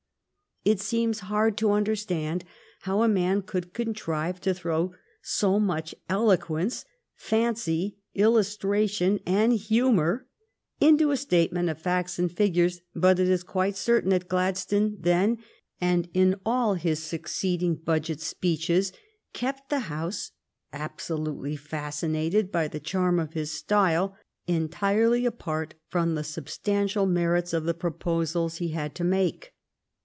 It seems hard to understand how a man could contrive to throw so much eloquence, fancy, illustration, and humor into a statement of facts and figures, but it is quite certain that Gladstone then, and in all his succeeding budget speeches, kept the House absolutely fascinated by the charm of his style, entirely apart from the substantial merits of the proposals he had to make.